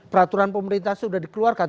peraturan pemerintah sudah dikeluarkan